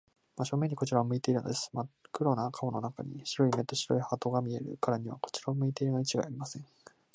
真正面にこちらを向いているのです。まっ黒な顔の中に、白い目と白い歯とが見えるからには、こちらを向いているのにちがいありません。